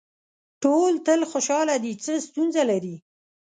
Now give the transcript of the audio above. ټول تل خوشاله دي څه ستونزه لري.